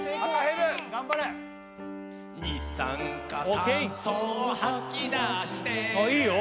ＯＫあっいいよ